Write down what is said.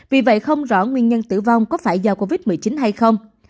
vì vậy không rõ nguyên nhân tử vong có phải do covid một mươi chín hay không